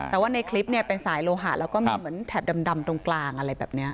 แต่ว่าในคลิปเนี่ยเป็นสายโลหะแล้วก็มีเหมือนแถบดำตรงกลางอะไรแบบนี้